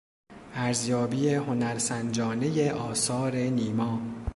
ارزیابی هنرسنجانهی آثار نیما